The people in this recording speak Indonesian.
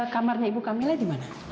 kamarnya ibu kamilnya di mana